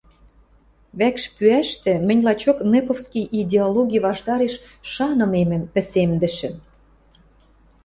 «Вӓкш пӱӓ»-штӹ мӹнь лачок нэповский идеологи ваштареш шанымемӹм пӹсемдӹшӹм.